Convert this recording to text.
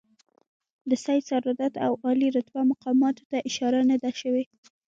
د سید صدارت او عالي رتبه مقاماتو ته اشاره نه ده شوې.